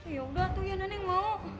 yaudah tuh iya nenek mau